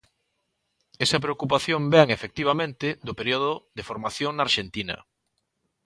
Esa preocupación vén, efectivamente, do período de formación na Arxentina.